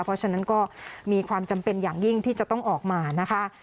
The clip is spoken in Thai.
เพราะฉะนั้นก็มีความจำเป็นอย่างยิ่งที่จะต้องออกมานะคะ